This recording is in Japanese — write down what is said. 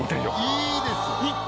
いいです。